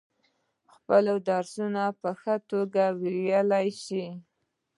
خپل درسونه په ښه توگه ویلای شو.